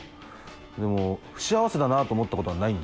でも不幸せだなと思ったことはないんです。